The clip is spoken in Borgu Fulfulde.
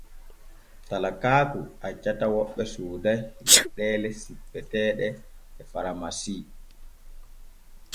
Talakaaku accata woɓɓe sooday leɗɗeele sippeteeɗe e faramasi.